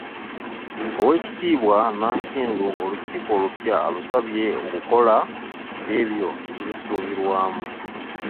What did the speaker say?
Oweekitiibwa Nankindu olukiiko olupya alusabye okukola ebyo ebibasuubirwamu.